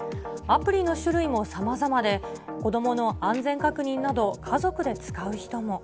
アプリの種類もさまざまで、子どもの安全確認など、家族で使う人も。